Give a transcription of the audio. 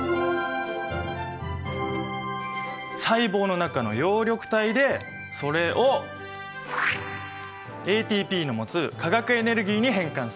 細胞の中の葉緑体でそれをＡＴＰの持つ化学エネルギーに変換する。